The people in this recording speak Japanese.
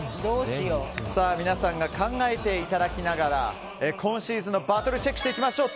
皆さんには考えていただきながら今シーズンのバトルチェックをしていきましょう。